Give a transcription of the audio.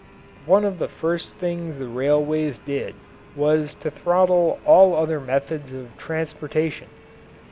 One of the first things the railways did was to throttle all other methods of transportation.